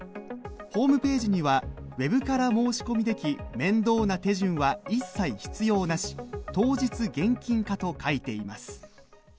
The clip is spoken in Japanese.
ホームページにはウェブから申し込みでき面倒な手順は一切必要なし当日現金化と書いています。